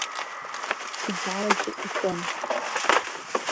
Иӡарагьы икын!